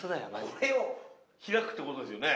これを開くって事ですよね？